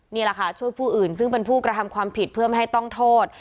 นี่แหละค่ะช่วยผู้อื่นซึ่งเป็นผู้กระทำความผิดเพื่อไม่ให้ต้องโทษ